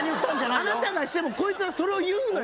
あなたがしてもこいつはそれを言うのよ